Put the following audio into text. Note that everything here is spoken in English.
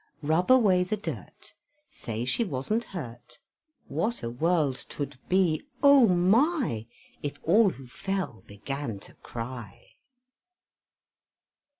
Rub away the dirt, Say she wasn't hurt; What a world 'twould be O my, If all who fell began to cry!